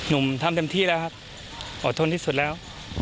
หนุ่มทำเต็มที่แล้วครับอดทนที่สุดแล้ว